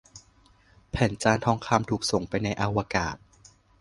แผ่นจานทองคำ ถูกส่งไปในอวกาศ